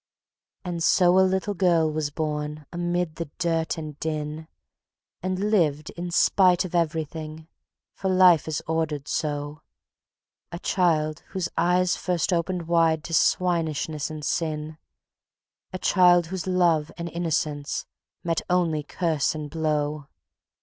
And so a little girl was born amid the dirt and din, And lived in spite of everything, for life is ordered so; A child whose eyes first opened wide to swinishness and sin, A child whose love and innocence met only curse and blow.